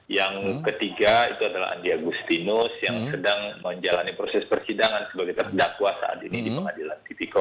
yang ketiga itu adalah andi agustinus yang sedang menjalani proses persidangan sebagai terdakwa saat ini di pengadilan tipikor